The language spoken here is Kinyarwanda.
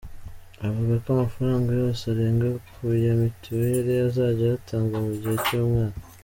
Avuga ko amafaranga yose arenga ku ya mitweli azajya ayatanga mu gihe cy’umwaka.